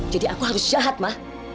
jadi aku harus jahat ma